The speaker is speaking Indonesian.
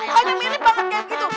pokoknya mirip banget kayak gitu